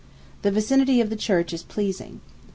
The vicinity of the church is pleasing.